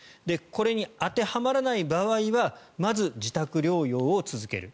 これに当てはまらない場合はまず自宅療養を続ける。